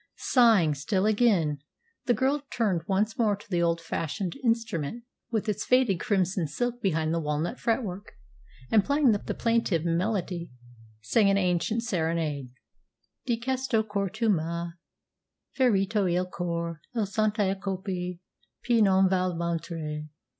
Sighing still again, the girl turned once more to the old fashioned instrument, with its faded crimson silk behind the walnut fretwork, and, playing the plaintive melody, sang an ancient serenade: Di questo cor tu m'hai ferito il core A cento colpi, piu non val mentire.